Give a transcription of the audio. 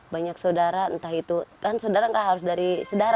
banyak saudara entah itu kan saudara nggak harus dari saudara